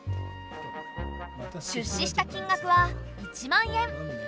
出資した金額は１万円。